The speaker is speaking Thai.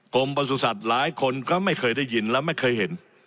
ประสุทธิ์หลายคนก็ไม่เคยได้ยินและไม่เคยเห็น